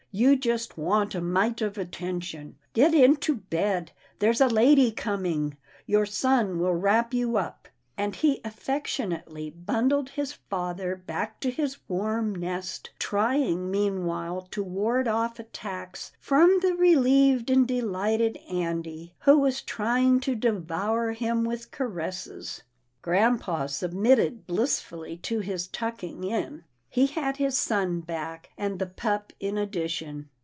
You just want a mite of attention. Get into bed — there's a lady coming. Your son will wrap you up," and he af 284 'TILDA JANE'S ORPHANS fectionately bundled his father back to his warm nest, trying meanwhile to ward off attacks from the relieved and delighted Andy, who was trying to de vour him with caresses. Grampa submitted blissfully to his tucking in. He had his son back, and the pup in addition.